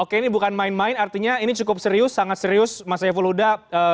oke ini bukan main main artinya ini cukup serius sangat serius mas saiful huda